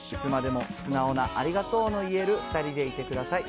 いつまでも素直なありがとうの言える２人でいてください。